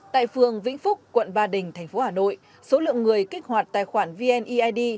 tại phường vĩnh phúc quận ba đình tp hà nội số lượng người kích hoạt tài khoản vneid